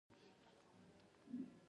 تفسیر څه مانا لري په دې کې څیړل کیږي.